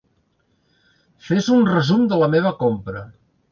Fes un resum de la meva compra.